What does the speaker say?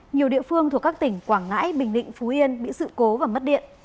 nhiều địa phương thuộc các tỉnh quảng ngãi bình định phú yên bị sự cố và mất điện